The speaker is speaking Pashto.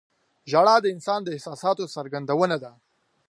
• ژړا د انسان د احساساتو څرګندونه ده.